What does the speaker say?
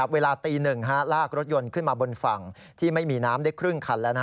เวลาตี๑ลากรถยนต์ขึ้นมาบนฝั่งที่ไม่มีน้ำได้ครึ่งคันแล้ว